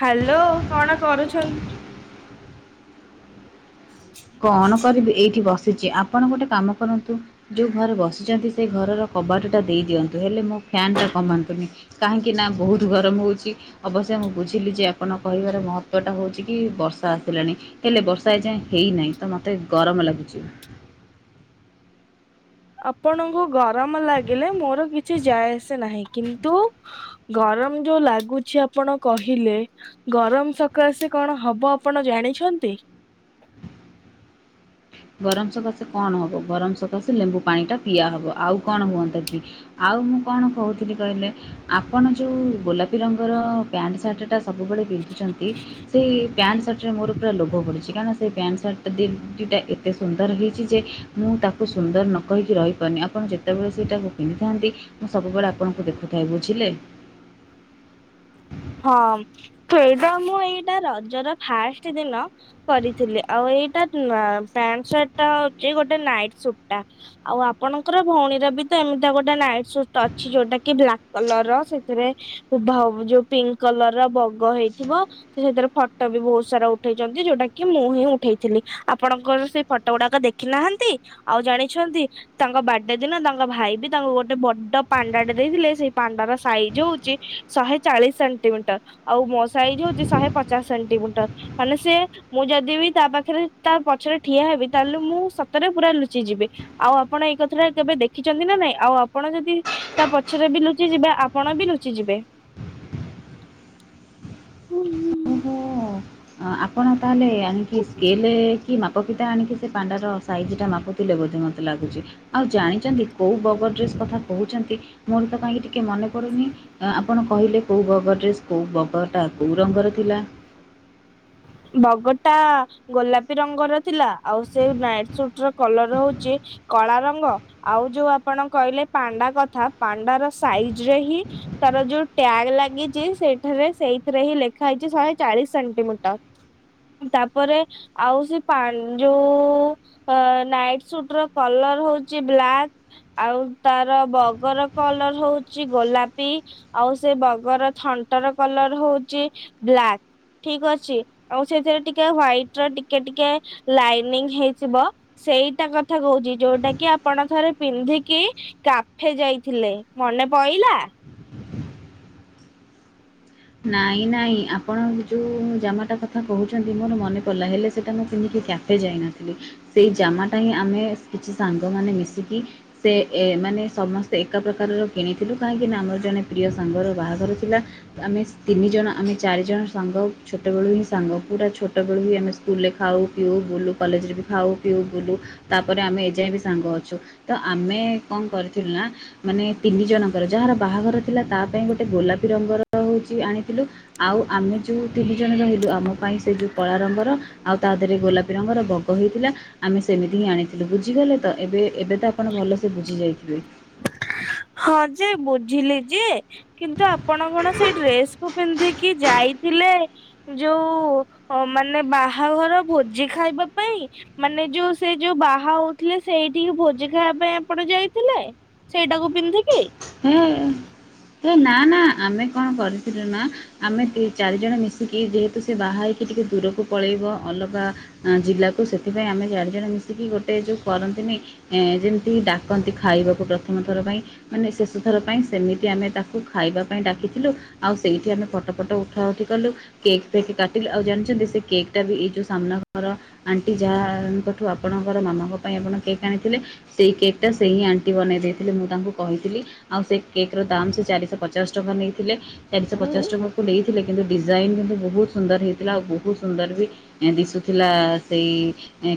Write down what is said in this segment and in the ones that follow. Hello କଣ କରୁଛନ୍ କଣ କରିବି ଏଇଠି ବସିଚି ଆପ୍ ପଣ ଗୋଟେ କାମ କରନ୍ତୁ ଯେଉଁ ଘରେ ବସିଚନ୍ତି ସେ ଘରର କବାଟଟା ଦେଇ ଦିଅନ୍ତୁ ହେଲେ ମୋ ଫ୍ୟାନ୍ଟା କମାନ୍ତୁନି। କାହିଁକି ନା ବୋହୁତ ଗରମ ହୋଉଚି। ଅବଶ୍ୟ ମୁଁ ବୁଝିଲି ଯେ ଆପଣ କହିବାର ମହତ୍ଵଟା ହୋଉଚି କି ବର୍ଷା ଆସିଲାଣି। ହେଲେ ବର୍ଷା ଏ ଯାଏଁ ହେଇନାହିଁ ତ ମତେ ଗରମ ଲାଗୁଚି। ଆପଣଙ୍କୁ ଗରମ ଲାଗିଲେ ମୋର କିଛି ଯାଏ ଆସେ ନାହିଁ କିନ୍ତୁ ଗରମ ଯୋଉ ଲାଗୁଛି ଆପଣ କହିଲେ। ଗରମ ସକାଶେ କଣ ହବ ଆପଣ ଜାଣିଛନ୍ତି? ଗରମ ସକାଶେ କଣ ହବ ଗରମ ସକାଶେ ଲେମ୍ବୁ ପାଣି ଟା ପିଆହବ, ଆଉ କଣ ହୁଅନ୍ତା କି? ଆଉ ମୁଁ କଣ କୋହୁଥିଲି କହିଲେ? ଆପଣ ଯୋଉ-ଉ ଗୋଲାପୀ ରଙ୍ଗର-ଅ ପ୍ୟାଣ୍ଟ ସାର୍ଟଟା ସବୁବେଳେ ପିନ୍ଧୁଚନ୍ତି ସେଇ ପ୍ୟାଣ୍ଟ ସାର୍ଟରେ ମୋର ପୁରା ଲୋଭ ପଡ଼ିଛି କାହିଁନା ସେ ପ୍ୟାଣ୍ଟ ସାର୍ଟଟା ଦି ଦିଟା ଏ ତେ ସୁନ୍ଦର ହେଇଛି ଯେ ମୁଁ ତାକୁ ସୁନ୍ଦର ନ କହିକି ରହିପାରୁନି, ଆପଣ ଯେତେବେଳେ ସେଇଟାକୁ ପିନ୍ଧିଥାନ୍ତି ସବୁବେଳେ ଆପଣଙ୍କୁ ଦେଖୁଥାଏ ବୁଝିଲେ। ହଁ ତ ଏଇଟା ମୁଁ ଏଇଟା ରଜର ଫାଷ୍ଟ ଦିନ କରିଥିଲି ଆଉ ଏଇଟା ନା ପ୍ୟାଣ୍ଟ ସାର୍ଟଟା ହଉଚି ଗୋଟେ ନାଇଟ୍ ସୁଟଟା। ଆଉ ଆପଣଙ୍କର ଭଉଣୀର ବି ତ ଏମିତି ଗୋଟେ ନାଇଟ୍ ସୁଟ ଅଛି ଯୋଉଟା କି ବ୍ଲାକ୍ କଲର ର ସେଥିରେ ଉଭ ହ ଯୋଉ ପିଙ୍କ କଲର ର ବଗ ହେଇଥିବ। ସେ ସେଥିରେ ଫଟୋ ବି ବହୁତ ସାରା ଉଠେଇଛନ୍ତି ଯୋଉଟା କି ମୁଁ ହିଁ ଉଠେଇଥିଲି ଆପଣଙ୍କର ସେଇ ଫଟୋ ଗୁଡାକ ଦେଖ ଦେଖ ନାହାନ୍ତି ଆଉ ଜାଣିଛନ୍ତି ତାଙ୍କ ବାର୍ଥଡେ ଦିନ ତାଙ୍କ ଭାଇ ବି ତାଙ୍କୁ ଗୋଟେ ବଡ ପାଣ୍ଡା ଟେ ଦେଇଥିଲେ ସେଇ ପାଣ୍ଡ ର ସାଇଜ ହଉଛି ଶହେ ଚାଳିଶ ସେଣ୍ଟିମିଟର ଆଉ ମୋ ଶାଇଜ ହଉଛି ଶହେ ପଚାଶ ସେଣ୍ଟିମିଟର ମାନେ ସେ ମୁଁ ଯଦି ବି ତା ପାଖରେ ତା ପଛରେ ଠିଆ ହେବି ତାହେଲେ ମୁଁ ସତରେ ପୁରା ଲୁଚିଯିବି। ଆଉ ଆପଣ ଏଇ କଥା ଟା କେବେ ଦେଖିଛନ୍ତି ନା ନାଇଁ ଆଉ ଆପଣ ଯଦି ତା ପଛରେ ବି ଲୁଚି ଯିବେ ଆପଣ ବି ଲୁଚି ଯିବେ। [inaudible] ଓହୋ ଆ, ଆପଣ ତାହେଲେ ଆଣିକି ସ୍କେଲ କି ମା ପକିତା ଆଣିକି ସେ ପାଣ୍ଡାର ସାଇଜ୍ଟା ମାପୁଥିଲେ ବୋଧେ ମୋତେ ଲାଗୁଛି। ଆଉ ଜାଣିଛନ୍ତି କୋଉ ବଗର ଡ୍ରେସ୍ କଥା କହୁଛନ୍ତି ମୋର ତା ପାଇଁକ ଟିକେ ମନେ ପଡ଼ୁନି। ଆପଣ କହିଲେ କେଉଁ ବଗର ଡ୍ରେସ୍ କୋଉ ବଗଟା କୋଉ ରଙ୍ଗର ଥିଲା? ବଗଟା ଗୋଲାପୀ ରଙ୍ଗର ଥିଲା ଆଉ ସେ ନାଇଟ ସୁଟ ର କଲର ହଉଛି କଳା ରଙ୍ଗ ଆଉ ଯୋଉ ଆପଣ କହିଲେ ପାଣ୍ଡା କଥା ପାଣ୍ଡ ର ସାଇଜ ରେ ହିଁ ତାର ଯୋଉ ଟ୍ୟାଗ ଲାଗିଛି ସେଇଠାରେ ସେଇଥିରେ ହିଁ ଲେଖା ହେଇଛି ଶହେ ଚାଳିଶ ସେଣ୍ଟିମି ତାପରେ ଆଉ ସେ ପା ଯୋଉ ଅ ନାଇଟ୍ ସୁଟ ର କଲର ହଉଛି ବ୍ଲାକ୍। ଆଉ ତାର ବଗର କଲର ହଉଛି ଗୋଲାପି। ଆଉ ସେ ବଗର ଥଣ୍ଟର କଲର ହଉଛି ବ୍ଲାକ୍ ଠିକ ଅ ଆଉ ସେଥିରେ ଟିକେ ହ୍ଵାଇଟ ର ଟିକେ ଟିକେ ଲାଇନିଂ ହେଇଯିବ। ସେଇଟା କଥା କହୁଛି ଯୋଉଟା କି ଆପଣ ଥରେ ପିନ୍ଧିକି କାଫେ ଯାଇଥିଲେ ମନେ ପଇଲା। ନାଇଁ ନାଇଁ ଆପଣ ଯେଉଁ ଜାମାଟା କଥା କହୁଛନ୍ତି ମୋର ମନେ ପଡ଼ିଲା ହେଲେ ସେଇଟା ମୁଁ ପିନ୍ଧିକି ଯ ଯାଇନଥିଲି ସେଇ ଜାମାଟା ହିଁ ଆମେ କିଛି ସାଙ୍ଗମାନେ ମିଶିକି ସେ ମାନେ ସମସ୍ତେ ଏକା ପ୍ରକାରର କିଣିଥିଲୁ କାହିଁକି ନା ଆମର ଜଣେ ପ୍ରିୟ ସାଙ୍ଗର ବାହାଘର ଥିଲା। ଆମେ ତିନି ଜଣ ଆମେ ଚାରି ଜଣ ସାଙ୍ଗ ଛୋଟବେଳୁ ହିଁ ସାଙ୍ଗ ପୁରା ଛୋଟ ବେଳୁ ହ ଆମେ ସ୍କୁଲରେ ଖାଉ ପିଉ ବୁଲୁ କଲେଜରେ ବି ଖାଉ ପିଉ ବୁଲୁ ତାପରେ ଆମେ ଏଯାଏ ବି ସାଙ୍ଗ ଅଛୁ ତ ଆମେ କଣ କରିଥିଲୁ ନା ମାନେ ତିନି ଜଣଙ୍କର ଯାହାର ବାହାଘର ଥିଲା ତା ପାଇଁ ଗୋଟେ ଗୋଲାପୀ ରଙ୍ଗର ହେଉଛି ଆଣିଥିଲୁ। ଆଉ ଆମେ ଯୋଉ ତିନି ଜଣ ରହିଲୁ ଆମ ପାଇଁ ସେ ଯଉ କଳା ରଙ୍ଗର ଆଉ ତା ଦେହରେ ଗୋଲାପୀ ରଙ୍ଗର ବଗ ହେଇଥିଲା। ଆମେ ସେମିତି ହିଁ ଆଣିଥିଲୁ ବୁଝିଗଲେ ତ ଏବେ ଏବେ ତ ଆପଣ ଭଲସେ ବୁଝି ଯାଇଥିବେ। ହଁ ଯେ ବୁଝିଲି ଯେ କିନ୍ତୁ ଆପଣ କଣ ସେଇ ଡ୍ରେସ କୁ ପିନ୍ଧିକି ଯାଇଥିଲେ ଯୋଉ ମାନେ ବାହାଘର ଭୋଜି ଖାଇବା ପାଇଁ? ମାନେ ଯୋଉ ସେ ଯୋଉ ବାହା ହଉଥିଲେ ସେଇଠିକି ଭୋଜି ଖାଇବା ପାଇଁ ଆପଣ ଯାଇଥିଲେ? ସେଇଟାକୁ ପିନ୍ଧିକି? ହେ ହେ ନା ନା ଆମେ କଣ କରିଥିଲୁ ନା ଆମେ ଦି ଚାରିଜଣ ମିଶିକି ଯେହେତୁ ସେ ବାହାହେଇ ଟିକେ ଦୂରକୁ ପଳେଇବ ଅଲଗା ଜିଲ୍ଲାକୁ ସେଥିପାଇଁ ଆମେ ଚାରି ଜଣ ମିଶିକି ଗୋଟେ ଯୋଉ କରନ୍ତିନି ଏ ଯେମିତି ଡାକନ୍ତି ଖାଇବାକୁ ପ୍ରଥମ ଥର ପାଇଁ ମାନେ ଶେଷଥର ପାଇଁ ସେମିତି ଆମେ ତାକୁ ଖାଇବା ପାଇଁ ଡାକିଥିଲୁ। ଆଉ ସେଇଠି ଆମେ ଫଟୋ ଫଟୋ ଉଠା ଉଠି କଲୁ କେକ୍ ଫେକ୍ କାଟିଲି ଆଉ ଜାଣିଚନ୍ତି ସେକେକ୍ ଟାବି ଏଇ ଯୋଉ ସାମ୍ନା ଘର ଆଣ୍ଟି ଯାହାଙ୍କଠୁ ଆପଣଙ୍କର ମାମାଙ୍କ ପାଇଁ ଆପଣ କେକ୍ ଆଣିଥିଲେ ସେଇ କେକ୍ ଟା ସେଇ ଆଣ୍ଟି ବନେଇ ଦେଇଥିଲେ ମୁଁ ତାଙ୍କୁ କହିଥିଲି ଆଉ ସେକେକ୍ ର ଦାମ୍ ସେ ଚାରିଶହ ପଚାଶ ଟଙ୍କା ନେଇଥିଲେ ଚାରିଶହ ପଚାଶ ଉଁ ଟଙ୍କା କ ନେଇଥିଲେ କିନ୍ତୁ ଡିଜାଇନ୍ କିନ୍ତୁ ବହୁତ୍ ସୁନ୍ଦର ହେଇଥିଲା ଆଉ ବହୁତ୍ ସୁନ୍ଦରବି ଦିଶୁଥିଲା ସେଇ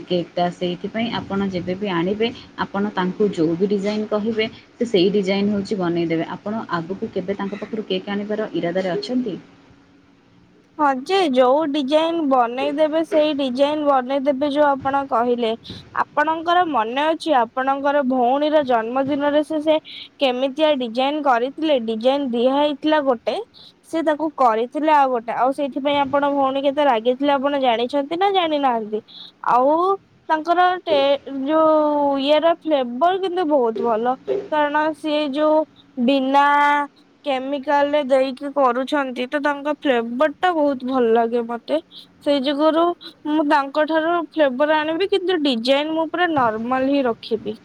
କେକ୍ ଟା ସେଇଥିପାଇଁ ଆପଣ ଯେବେବି ଆଣିବେ ଆପଣ ତାଙ୍କୁ ଯୋଉବି ଡିଜାଇନ୍ କହିବେ ତ ସେଇ ଡିଜାଇନ୍ ହେଉଚି ବନେଇଦେବେ ଆପଣ ଆଗକୁ କେବେ ତାଙ୍କ ପାଖରୁ କେକ୍ ଆଣିବାର ଇରାଦାରେ ଅଛନ୍ତି? ହଁ ଯେ ଯୋଉ ଡିଜାଇନ୍ ବନେଇଦେବେ ସେଇ ଡିଜାଇନ୍ ବନେଇଦେବେ ଯୋଉ ଆପଣ କହିଲେ ଆପଣ ଆପଣଙ୍କର ମନେ ଅଛି ଆପଣଙ୍କର ଭଉଣୀର ଜନ୍ମ ଦିନରେ ସେ ସେ କେମିତିଆ ଡିଜାଇନ୍ କରିଥିଲେ ଡିଜାଇନ୍ ଦିଆ ହେଇଥିଲା ଗୋଟେ ସେ ତାକୁ କରିଥିଲେ ଆଉ ଗୋଟେ। ଆଉ ସେଇଥିପାଇଁ ଆପଣ ଭଉଣୀ କେତେ ରାଗିଥିଲେ ଆପଣ ଜାଣିଛନ୍ତି ନା ଜାଣିନାହାନ୍ତି? ଆଉ ତାଙ୍କର ଟେ ଯୋଉ ଇଏର ଫ୍ଲେବର କିନ୍ତୁ ବହୁତ୍ ଭଲ କାରଣ ସିଏ ଯୋଉ ବିନା କେମିକାଲରେ ଦେଇକି କରୁଛନ୍ତି ତତାଙ୍କ ଫ୍ଲେବରଟା ବହୁତ୍ ଭଲ ଲାଗେ ମତେ ସେଇ ଯୁଗରୁ ମୁଁ ତାଙ୍କ ଠାରୁ ଫ୍ଲେବର ଆଣିବି କିନ୍ତୁ ଡିଜାଇନ୍ ମୁଁ ପୁରା ନର୍ମାଲହିଁ ରଖିବି।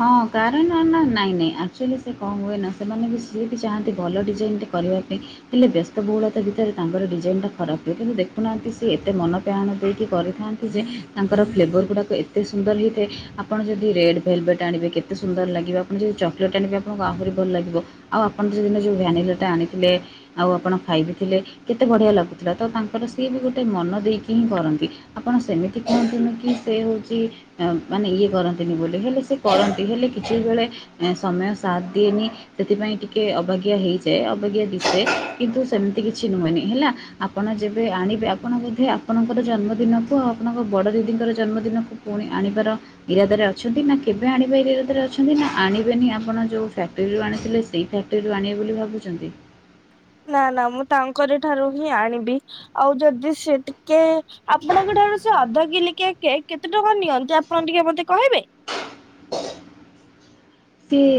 ହଁ କାରଣ ନା ନାଇଁ ନାଇଁ ଆକ୍ଚୁଲି ସେକଣ ହୁଏନା ସେମାନେବି ସିଏବି ଚାହାଁନ୍ତି ଭଲ ଡିଜାଇନ୍ ଟେ କରିବା ପାଇଁ ହେଲେ ବ୍ୟସ୍ତବହୁଳତା ଭିତରେ ତାଙ୍କର ଡିଜାଇନଟା ଖରାପ ହୁଏ କିନ୍ତୁ ଦେଖୁନାହାନ୍ତି ସେଏତେ ମନପ୍ରାଣ ଦେଇକି କରିଥାନ୍ତି ଯେ ତାଙ୍କର ଫ୍ଲେଭର ଗୁଡ଼ାକ ଏତେ ସୁନ୍ଦର ହେଇଥାଏ ଆପଣ ଯଦି ରେଡ୍ ଭେଲଭେଟ୍ ଜାଣିବେ କେତେ ସୁନ୍ଦର ଲାଗିବ ଆଣ ଯଦି ଚକୋଲେଟ୍ ଆଣିବେ ଆପଣଙ୍କୁ ଆହୁରି ଭଲ ଲାଗିବ। ଆଉ ଆପଣ ଯଦିି ଯୋଉ ଭ୍ୟାନିଟିଟା ଆଣିଥିଲେ ଆଉ ଆପଣ ଖାଇବିି ଥିଲେ କେତେ ବଢ଼ିଆ ଲାଗୁଥିଲା ତତାଙ୍କର ସିଏବି ଗୋଟେ ମନ ଦେଇକି ହିଁ କରନ୍ତି। ଆପଣ ସେମିତି କୁହନ୍ତୁନୁକି ସେହଉଚି ମାନେ ଇଏ କରନ୍ତିନି ବୋଲି ହେଲେ ସେ କରନ୍ତି ହେଲେ କିଛି ବେଳେ ସମୟ ସାଥେ ଦିଏନି ସେଥିପାଇଁ ଟିକେ ଅବଜ୍ଞା ହେଇଯାଏ ଅବାଜ୍ଞା ଦିଶେ କିନ୍ତୁ ସେମିତି କିଛି ନୁହେଁ ହେଲା। ଆପଣ ଯେବେ ଆଣିବେ ଆପଣ ବୋଧେ ଆପଣଙ୍କର ଜନ୍ମଦିନକୁ ଆଉ ଆପଣଙ୍କ ବଡ଼ ଦିଦିଙ୍କର ଜନ୍ମଦିନକୁ ପୁଣି ଆଣିବାର ଇରାଦରେ ଅଛନ୍ତିନା କି କେବେ ଆଣିବା ଏଇରାଦରେ ଅଛନ୍ତିନା ଆଣିବେନି ଆପଣ ଯେଉଁ ଫ୍ୟାକ୍ଟ୍ରିରୁ ଆଣିଥିଲେ ସେଇ ଫ୍ୟାକ୍ଟ୍ରିରୁ ଆଣିବେ ବୋଲି ଭାବୁଚନ୍ତି? ନା ନା ମୁଁ ତାଙ୍କରି ଠାରୁହିଁ ଆଣିବି ଆଉ ଯଦି ସେ ଟିକେ ଆପଣଙ୍କ ଠାରୁ ସେଅଧ କିଲିକିଆ କେକ୍ କେତେ ଟଙ୍କା ନିଅନ୍ତି ଆପଣ ଟିକେ ମତେ କହିବେ? ସିଏ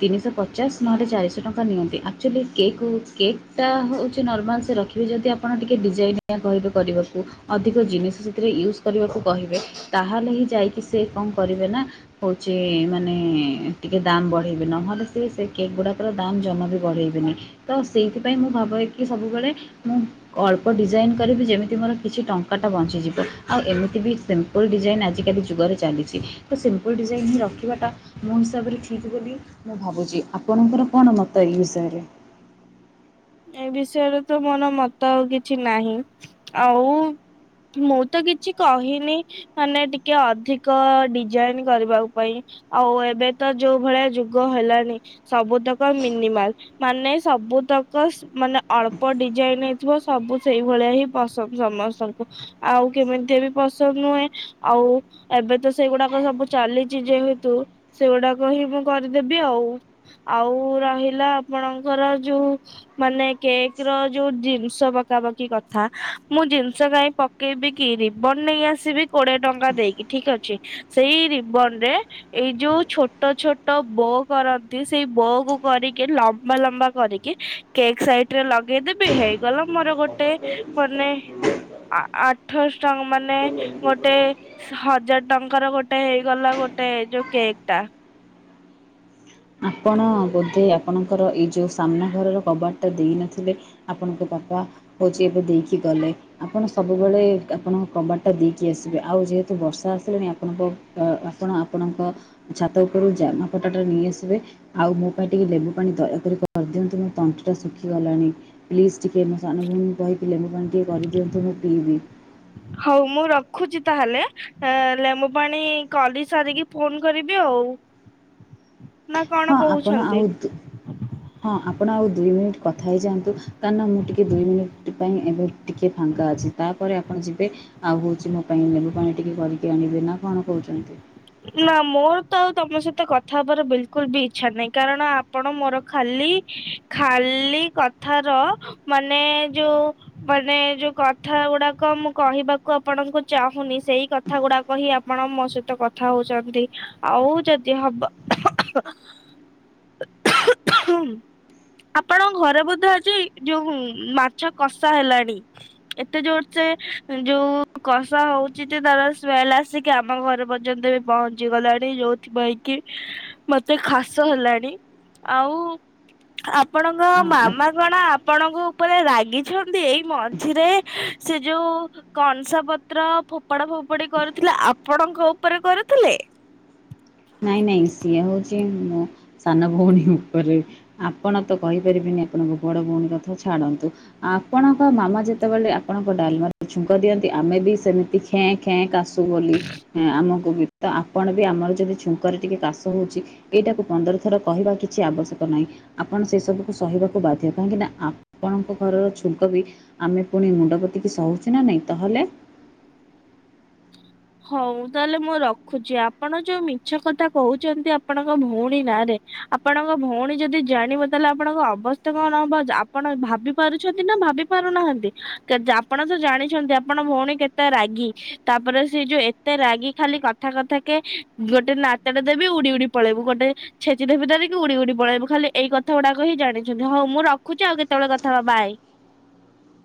ତିନିଶହ ପଚାଶ ନହେଲେ ଚାରିଶହ ଟଙ୍କା ନିଅନ୍ତି ଆକ୍ଚୋଲି କେକ୍ କେକେଟା ହୋଇଛି ନର୍ମାଲ ସୁରକ୍ଷି ଏବେ ଯଦି ଆପଣ ଟିକିଏ ଡିଜାଇନ୍ ନିଆ କହିବେ କରିବାକୁ ଅଧିକ ଜିନିଷ ସେଥିରେ ୟୁଜ୍ କରିବାକୁ କହିବେ ତାହେଲେ ହିଁ ଯାଇକି ସେକଁ କରିବେ ନା ହଉଚି ମାନେ ଟିକେ ଦାମ୍ ବଢ଼ାଇବେ ନହେଲେ ସିଏ ସେକେକ୍ ଗୁଡ଼ାକର ଦାମ୍ ଜମାବି ବଢ଼ାଇବେନି। ତ ସେଇଥି ପାଇଁ ମୁଁ ଭାବଇକି ସବୁ ବେଳେ ମୁଁ ଅଳ୍ପ ଡିଜାଇନ୍ କରିବି ଯେମିତି ମୋର କିଛି ଟଙ୍କାଟା ବଞ୍ଚିଯିବ ଆଉ ଏମିତିବି ସେମି ପୁଲ୍ ଡିଜାଇନ୍ ଆଜିକାଲି ଯୁଗରେ ଚାଲିଚି ତସିମ୍ପୁଲ୍‌ ଡିଜାଇନ୍ ହିଁ ରଖିବାଟା ମୋ ହିସାବରେ ଠିକ୍ ବୋଲି ମୁଁ ଭାବୁଚି ଆପଣଙ୍କର କଣ ମତ ଏବିଷୟରେ? ଏ ବିଷୟରେତ ମୋର ମତ ଆଉ କିଛି ନାହିଁ ଆଉ ମୁଁ ତ କିଛି କହିନି ମାନେ ଟିକେ ଅଧିକ ଡିଜାଇନ୍‌ କରିବା ଉ ପାଇଁ। ଆଉ ଏବେ ତ ଯୋଉ ଭଳିଆ ଯୁଗ ହେଲାଣି। ସବୁ ତକ ମିନିମାଲ୍ ମାନେ ସବୁ ତ ଅପ୍‌କସ୍‌ ମାନେ ଅଳ୍ପ ଡିଜାଇନ୍‌ହେଇଥିବ ସବୁ ସେଇ ଭଳିଆ ହିଁ ପସନ୍ଦ ସମସ୍ତଙ୍କୁ। ଆଉ କେମିତିଆ ବି ପସନ୍ଦ ନୁହେଁ ଆଉ ଏବେ ତ ସେଗୁଡ଼ାକ ସବୁ ଚାଲିଚି ଯେହେତୁ ସେଗୁଡ଼ାକ ହିଁ ମୁଁ କରିଦେବି ଆଉ। ଆଉ ରହିଲା ଆପଣଙ୍କର ଯୋଉ ମାନେ କେକ୍ ର ଯୋଉ ଜିନିଷ ପକାପକି କଥା ମୁଁ ଜିନିଷ କାଇଁପ ପକେଇବି କି ରିବନ୍‌ ନେଇ ଆସିବି କୋଡ଼ିଏ ଟଙ୍କା ଦେଇକି ଠିକ୍ ଅଛି ସେଇ ରିବନ୍‌ରେ ଏଇ ଯୋଉ ଛୋଟ ଛୋଟ ବୋ କରନ୍ତି ସେଇ ବୋ କୁ କରିକି ଲମ୍ବା ଲମ୍ବା କରିକି କେକ୍ ସାଇଟ ରେ ଲଗେଇଦେବି ହେଇଗଲା ମୋର ଗୋଟେ ମାନେ ଆ ଆଠଶ ଟଙ୍କ ମାନେ ଗୋଟେ ହଜାର୍‌ଟଙ୍କାର ଗୋଟେ ହେଇଗଲା ଗୋଟେ ଯୋଉ କେକ୍ ଟା। ଆପଣ ବୋଧେ ଆପଣଙ୍କର ଏଇ ଯୋଉ ସାମ୍ନା ଘରର କବାଟା ଦେଇନଥିଲେ? ଆପଣଙ୍କ ବାପା ହଉଛି ଏବେ ଦେଇକି ଗଲେ। ଆପଣ ସବୁବେଳେ ଆପଣଙ୍କ କବାଟ୍‌ଟା ଦେଇକି ଆସିବେ ଆଉ ଯେହେତୁ ବର୍ଷା ଆସିଲାଣି ଆପଣଙ୍କ ତ ଆପଣ ଆପଣଙ୍କ ଛାତ ଉପରୁ ଜାମାପଟାଟା ନେଇ ଆସିବେ। ଆଉ ମୋ ପାଇଁ ଟିକେ ଲେମ୍ବୁ ପାଣି ଦୟାକରି କରିଦିଅନ୍ତୁ ମୋ ତଣ୍ଟିଟା ଶୁଖିଗଲାଣି। ପ୍ଲିଜ ଟିକେ ମୋ ସାନ ଭଉଣୀ କହିକି ଲେମ୍ବୁ ପାଣି ଟିକେ କରିଦିଅନ୍ତୁ ମୁଁ ପିଇବି। ହଉ ମୁଁ ରଖୁଚି ତାହେଲେ। ଏ ଲେମ୍ବୁ ପାଣି କରି ସାରିକି ଫୋନ୍‌ କରିବି ଆଉ। ନା କଣ ହଁ ଆପଣ କହୁଛନ୍ତି? ଆଉ ଦୁ ହଁ ଆପଣ ଆଉ ଦୁଇ ମିନିଟ୍ କଥା ହେଇଯାଆନ୍ତୁ। କାରଣ ମୁଁ ଟିକେ ଦୁଇ ମିନିଟ୍ ପାଇଁ ଏବେ ଟିକେ ଫାଙ୍କା ଅଛି ତାପରେ ଆପଣ ଯିବେ। ଆଉ ହଉଛି ମୋ ପାଇଁ ଲେମ୍ବୁ ପାଣି ଟିକେ କରିକି ଆଣିବେ ନା କଣ କହୁଛନ୍ତି? ନା ମୋର ତ ଆଉ ତମ ସହିତ କଥା ହବାର ବିଲ୍‌‌କୁଲ୍‌ ବି ଇଚ୍ଛା ନାହିଁ କାରଣ ଆ ଆପଣ ମୋର ଖାଲି ଖାଲି କଥାର ମାନେ ଯୋଉ ମାନେ ଯୋଉ କଥା ଗୁଡ଼ାକ ମୁଁ କହିବାକୁ ଆପଣଙ୍କୁ ଚାହୁଁନି ସେଇ କ କଥା ଗୁଡ଼ାକ ହିଁ ଆପଣ ମୋ ସହିତ କ କଥା ହଉଛନ୍ତି ଆଉ ଯଦି ହବ [unintelligible] ଆପଣଙ୍କ ଘରେ ବୋଧେ ଆଜି ଯୋଉ ମାଛ କଷା ହେଲାଣି। ଏତେ ଜୋର୍ ସେ ଯୋଉ କଷା ହଉଚି ଯେ ତାର ସ୍କେମେଲ୍ ଆସିକି ଆମ ଘର ପ ଯନ୍ତେ ବି ପହଞ୍ଚି ଗଲାଣି ଯଉଠି ପିଇଁକି ମତେ ଖାସ ହେଲାଣି ଆଉ ଆପଣଙ୍କ ଆ ଆ- ମାମା କଣ ଆପଣଙ୍କ ଉପରେ ରାଗିଛନ୍ତି ଏଇ ମଝିରେ ସେ ଯୋଉ କଂସା ପତ୍ର ଫୋପଡ଼ା ଫୋପଡ଼ି କରୁଥିଲେ ଆପଣଙ୍କ ଉ ଉପରେ କରୁଥିଲେ? ନାଇଁ ନାଇଁ ସିଏ ହଉଛି ମୋ ସାନ ଭଉଣୀ ଉପରେ। ଆପଣ ତ କହିପାରିବିନି ଆପଣଙ୍କ ବଡ ଭଉଣୀ କଥା ଛାଡ଼ନ୍ତୁ। ଆପଣଙ୍କ ମାମା ଯେତେବେଳେ ଆପଣଙ୍କ ଡ଼ାଲ୍‌ମାରେ ଛୁଙ୍କ ଦିଅନ୍ତି ଆମେ ବି ସେମିତି ଖେଁ ଖେଁ କାଶୁ ବୋଲି ଏ ଆମକୁ ବି ତ ଆପଣ ବି ଆମର ଯଦିଚ ଛୁଙ୍କରେ ଟିକେ କାଶ ହେଉଛି ଏଇଟାକୁ ପନ୍ଦର ଥର କହିବା କିଛି ଆବଶ୍ୟକ ନାହିଁ। ଆପଣ ସେ ସବୁକୁ ସହିବାକୁ ବାଧ୍ୟ କାହିଁକି ନା ଆପଣଙ୍କ ଘରର ଛୁଙ୍କ ବି ଆମେ ପୁଣି ମୁଣ୍ଡ ପୋତିକି ସହୁଛୁ ନା ନାଇଁ ତ ହେଲେ? ହଉ ତାହେଲେ ମୁଁ ରଖୁଛି ଆପଣ ଯୋଉ ମିଛ କଥା କହୁଛନ୍ତି ଆପଣଙ୍କ ଭଉଣୀ ନାଁରେ ଆପ ଆପଣଙ୍କ ଭଉଣୀ ଯଦି ଜାଣିବ ତାହେଲେ ଆପଣଙ୍କ ଅବସ୍ଥା କଣ ହବ ଜା ଆପଣ ଭାବି ପାରୁଛନ୍ତି ନା ଭାବି ପାରୁନାହାନ୍ତି କେ ଆପଣ ତ ଜାଣିଛନ୍ତି ଆପଣ ଭଉଣୀ କେତେ ରାଗି ତାପରେ ସେ ସେଇ ଯୋଉ ଏତେ ରାଗି ଖାଲି କଥା କଥା କେ ଗୋଟେ ନାତଟେ ଦେବି ଉଡି ଉଡି ପଳେଇବୁ ଗୋଟେ ଛେଚି ଦେବୀ ଧରିକି ଉୁଡି ଉୁଡି ପଳେଇବୁ ଖାଲି ଏଇ କଥା ଗୁଡାକ ଜାଣିଛନ୍ତି ହଉ ମୁଁ ରଖୁଚି ଆଉ କେତେବେଳେ କଥା ହବା ବାଏ।